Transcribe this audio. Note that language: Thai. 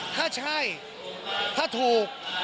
ถ้าใช่ถ้าถูก